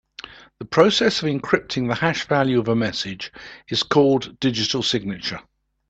The process of encrypting the hash value of a message is called digital signature.